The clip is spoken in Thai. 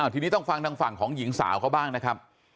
ทีนี้ต้องฟังทางฝั่งของหญิงสาวเขาบ้างนะครับ